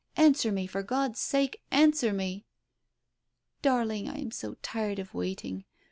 Answer me for God's sake, answer me! " Darling, I am so tired of waiting.